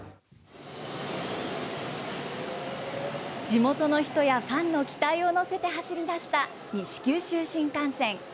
地元の人やファンの期待を乗せて走りだした西九州新幹線。